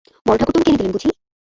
বড়োঠাকুর তোমাকে এনে দিলেন বুঝি?